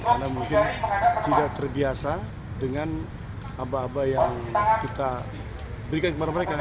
karena mungkin tidak terbiasa dengan abah abah yang kita berikan kepada mereka